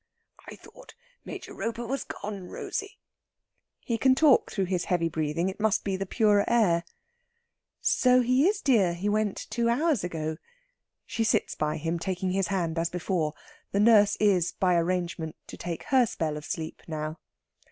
"I thought Major Roper was gone, Rosey." He can talk through his heavy breathing. It must be the purer air. "So he is, dear. He went two hours ago." She sits by him, taking his hand as before. The nurse is, by arrangement, to take her spell of sleep now.